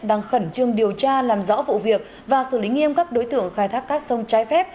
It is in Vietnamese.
đang khẩn trương điều tra làm rõ vụ việc và xử lý nghiêm các đối tượng khai thác cát sông trái phép